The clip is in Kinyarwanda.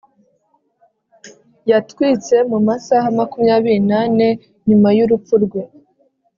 yatwitse mu masaha makumyabiri n'ane nyuma y'urupfu rwe